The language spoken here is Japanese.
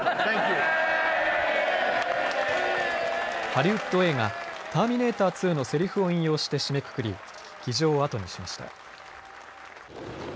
ハリウッド映画、ターミネーター２のせりふを引用して締めくくり議場を後にしました。